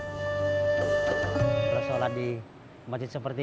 saya punya nasihat ke padang lalu mengingati ke magically grow